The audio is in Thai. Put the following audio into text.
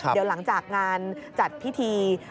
เดี๋ยวหลังจากงานจัดพิธี